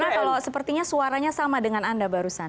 karena kalau sepertinya suaranya sama dengan anda barusan